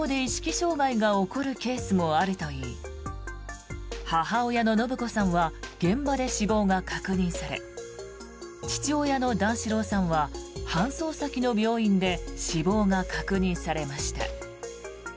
障害が起こるケースもあるといい母親の延子さんは現場で死亡が確認され父親の段四郎さんは搬送先の病院で死亡が確認されました。